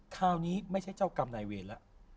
คราวนี้ไม่ใช่เจ้ากรรมนายเวรแล้ว